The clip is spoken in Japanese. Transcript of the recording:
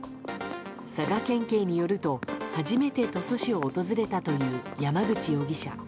佐賀県警によると初めて鳥栖市を訪れたという山口容疑者。